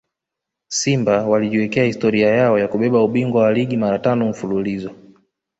Simba walijiwekea historia yao ya kubeba ubingwa wa ligi mara tano mfululizo